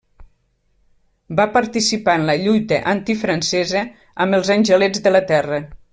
Va participar en la lluita antifrancesa amb els angelets de la terra.